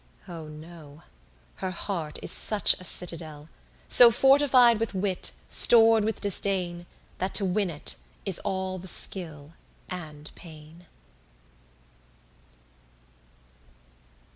Oh no, her heart is such a citadel, So fortified with wit, stored with disdain, That to win it, is all the skill and pain.